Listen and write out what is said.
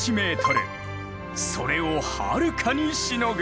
それをはるかにしのぐ。